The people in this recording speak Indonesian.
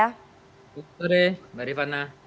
selamat sore mbak rifana